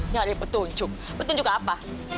nyari petunjuk petunjuk apa